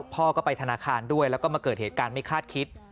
พ่อก็ไปธนาคารด้วยแล้วก็มาเกิดเหตุการณ์ไม่คาดคิด